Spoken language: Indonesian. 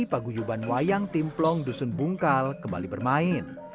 paguyuban wayang timplong dusun bungkal kembali bermain